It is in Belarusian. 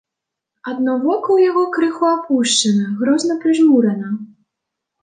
Адно вока ў яго крыху апушчана, грозна прыжмурана.